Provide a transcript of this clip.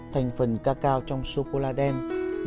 thành phần cacao này có thể giảm hàm lượng cholesterol xấu